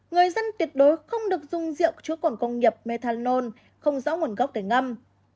người dân tuyệt đối không được dùng rượu trước quần công nghiệp methanol không rõ nguồn gốc để ngâm